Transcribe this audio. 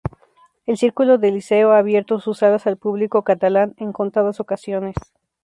El Círculo del Liceo ha abierto sus salas al público catalán en contadas ocasiones.